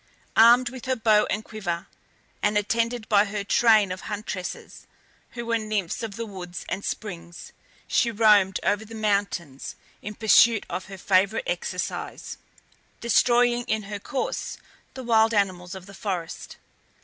Armed with her bow and quiver, and attended by her train of huntresses, who were nymphs of the woods and springs, she roamed over the mountains in pursuit of her favourite exercise, destroying in her course the wild animals of the forest.